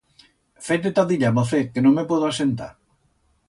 Fe-te ta dillá, mocet, que no me puedo asentar.